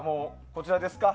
こちらですか？